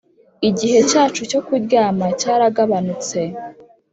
igihe cyacu cyo kuryama cyaragabanutse!